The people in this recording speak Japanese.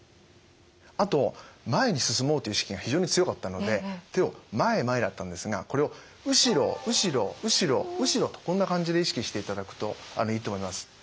あと前に進もうという意識が非常に強かったので手を前へ前へだったんですがこれを後ろ後ろ後ろ後ろとこんな感じで意識していただくといいと思います。